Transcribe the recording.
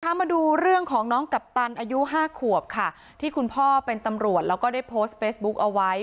มาดูเรื่องของน้องกัปตันอายุห้าขวบค่ะที่คุณพ่อเป็นตำรวจแล้วก็ได้โพสต์เฟซบุ๊คเอาไว้